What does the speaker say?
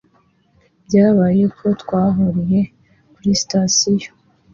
Byabaye ko twahuriye kuri sitasiyo